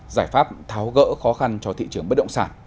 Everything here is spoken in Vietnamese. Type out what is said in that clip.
giải pháp tháo gỡ khó khăn cho thị trường bất động sản